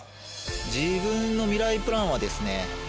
自分のミライプランはですねえー